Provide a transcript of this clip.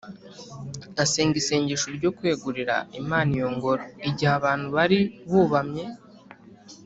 asenga isengesho ryo kwegurira imana iyo ngoro. igihe abantu bari bubamye,